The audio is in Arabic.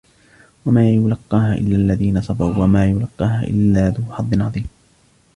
وما يلقاها إلا الذين صبروا وما يلقاها إلا ذو حظ عظيم